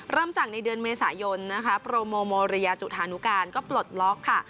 เริ่มจากในเดือนเมษายนนะคะโปรโมโมเรียจุธานุการก็ปลดล็อกค่ะ